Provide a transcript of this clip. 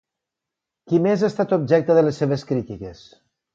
Qui més ha estat objecte de les seves crítiques?